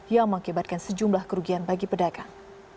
yang mengakibatkan sejumlah kerugian bagi pedagang